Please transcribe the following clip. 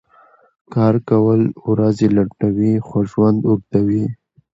کار کؤل ؤرځې لنډؤي خو ژؤند اوږدؤي .